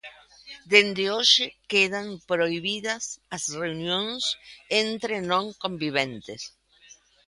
Dende hoxe quedan prohibidas as reunións entre non conviventes.